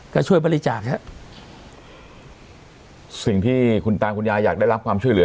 ก็ช่วยบริจาคฮะสิ่งที่คุณตาคุณยายอยากได้รับความช่วยเหลือ